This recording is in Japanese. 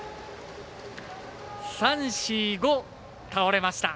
３、４、５倒れました。